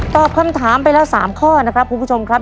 ตอบคำถามไปแล้ว๓ข้อนะครับคุณผู้ชมครับ